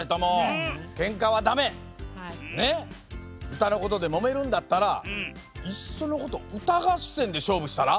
うたのことでもめるんだったらいっそのことうたがっせんでしょうぶしたら？